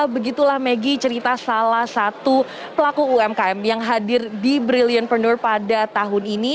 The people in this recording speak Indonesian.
begitulah maggie cerita salah satu pelaku umkm yang hadir di brilliantpreneur pada tahun ini